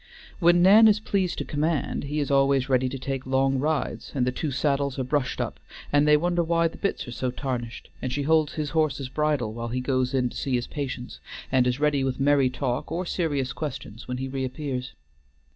When Nan is pleased to command, he is always ready to take long rides and the two saddles are brushed up, and they wonder why the bits are so tarnished, and she holds his horse's bridle while he goes in to see his patients, and is ready with merry talk or serious questions when he reappears.